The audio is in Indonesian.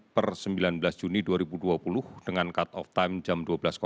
per sembilan belas juni dua ribu dua puluh dengan cut of time jam dua belas